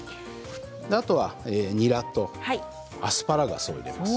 あとはにらとアスパラガスを使います。